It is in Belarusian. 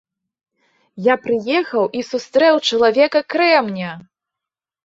Я прыехаў і сустрэў чалавека-крэмня!